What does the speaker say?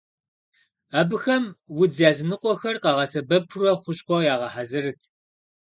Абыхэм удз языныкъуэхэр къагъэсэбэпурэ хущхъуэ ягъэхьэзырт.